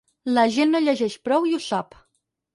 La gent no llegeix prou i ho sap.